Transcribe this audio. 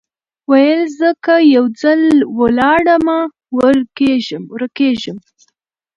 ویل زه که یو ځل ولاړمه ورکېږم